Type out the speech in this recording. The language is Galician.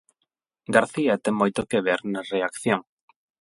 García ten moito que ver na reacción.